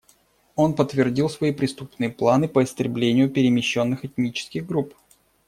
Он подтвердил свои преступные планы по истреблению перемещенных этнических групп.